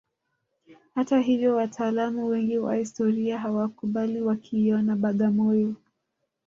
Hata hivyo wataalamu wengi wa historia hawakubali wakiiona Bagamoyo